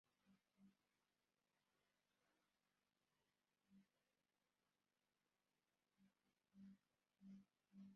যুক্তরাজ্যে তার জীবনের প্রথম বছরগুলো তার সন্তানদের উন্নতির জন্যে এবং একই সঙ্গে আইনের স্নাতক হওয়ার পড়াশোনায় নিবেদিত ছিল।